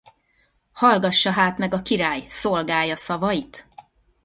Hallgassa hát meg a király szolgája szavait!